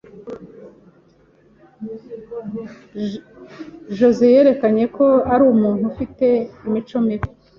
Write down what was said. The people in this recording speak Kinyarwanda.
José yerekanye ko ari umuntu ufite imico mibi.